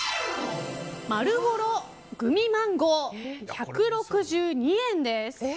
まるごろグミマンゴー１６２円です。